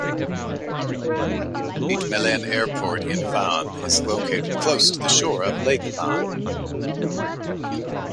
Ferit Melen Airport in Van is located close to the shore of Lake Van.